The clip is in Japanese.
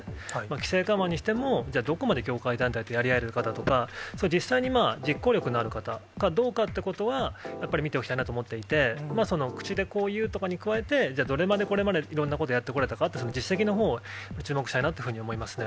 規制緩和にしても、じゃあどこまで業界団体とやり合えるかだとか、そういう実際に実行力のある方かどうかっていうことは、やっぱり見ておきたいなと思っていて、口でこういうとかに加えて、どれまで、これまで、いろんなことをやってこられたかということを、実績のほうを注目したいなっていうふうに思いますね。